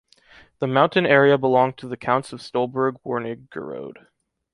The mountain area belonged to the counts of Stolberg-Wernigerode.